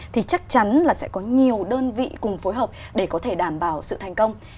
thì chắc chắn là sẽ có nhiều đơn vị cùng phối hợp để có thể đảm bảo sự thành công